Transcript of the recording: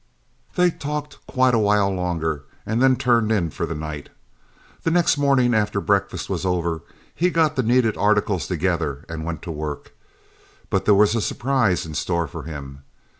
"They talked quite a while longer, and then turned in for the night. The next morning after breakfast was over, he got the needed articles together and went to work. But there was a surprise in store for him.